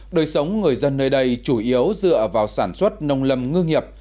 đời sống người dân nơi đây chủ yếu dựa vào sản xuất nông lâm ngư nghiệp